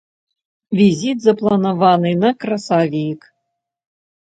Візіт запланаваны на красавік.